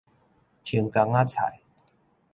青江仔菜